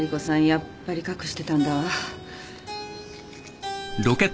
やっぱり隠してたんだわ。